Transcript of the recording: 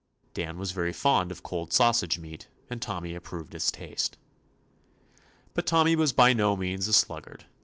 Dan was very fond oi cold sausage meat, and Tommy approved his taste. But Tommy was by no means a sluggard.